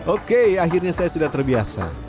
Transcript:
oke akhirnya saya sudah terbiasa